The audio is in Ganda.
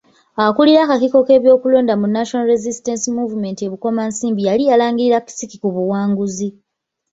Akulira akakiiko k'ebyokulonda mu National Resistance Movement e Bukomansimbi yali yalangirira Kisiki ku buwanguzi.